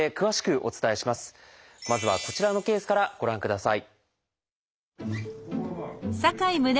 まずはこちらのケースからご覧ください。